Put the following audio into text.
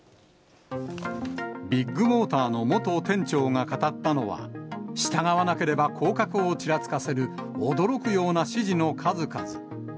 ビッグモーターの元店長が語ったのは、従わなければ降格をちらつかせる驚くような指示の数々。